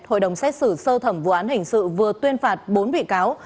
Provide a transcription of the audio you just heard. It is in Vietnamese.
hội đồng xét xử sơ thẩm vụ án hình sự vừa tuyên phạt bốn bị cáo